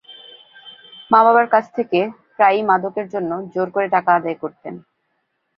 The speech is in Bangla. মা–বাবার কাছ থেকে প্রায়ই মাদকের জন্য জোর করে টাকা আদায় করতেন।